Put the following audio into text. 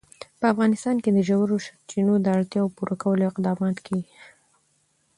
په افغانستان کې د ژورو سرچینو د اړتیاوو پوره کولو اقدامات کېږي.